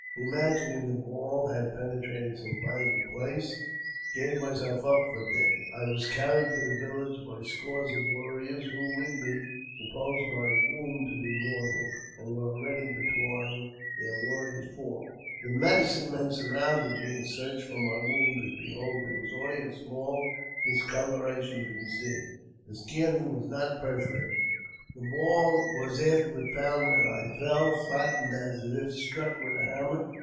Imagining the ball had penetrated some vital place, I gave myself up for dead. I was carried to the village by scores of warriors, who, with me, supposed my wound to be mortal, and were already deploring their warrior's fall. The medicine men surrounded me, and searched for my wound; but, behold ! there was only a small discoloration to be seen ; the skin was not perforated. The ball was afterward found where I fell, flattened as if struck with a hammer.